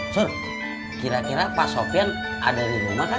sur kira kira pak sofyan ada di rumah kata ya